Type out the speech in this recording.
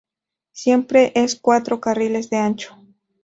Siempre es cuatro carriles de ancho.